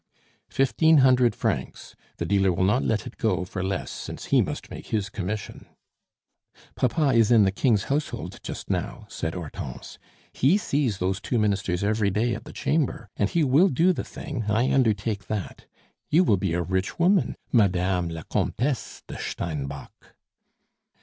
"Fifteen hundred francs. The dealer will not let it go for less, since he must take his commission." "Papa is in the King's household just now," said Hortense. "He sees those two ministers every day at the Chamber, and he will do the thing I undertake that. You will be a rich woman, Madame la Comtesse de Steinbock."